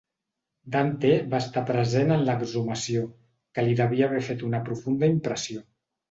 Dante va estar present en l'exhumació, que li devia haver fet una profunda impressió.